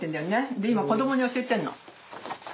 で今子どもに教えてるの。